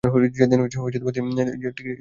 ঠিক সেদিন যেদিন তিনি মারা গেছেন।